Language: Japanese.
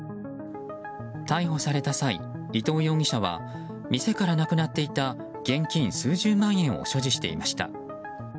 逮捕された際、伊藤容疑者は店からなくなっていた現金数十万円を所持していました。